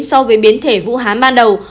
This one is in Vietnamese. so với biến thể vũ hán ban đầu